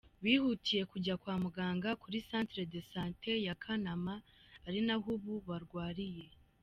Bihutiye kujya kwa muganga kuri Centre de Sante ya Kanama ari naho ubu barwariye.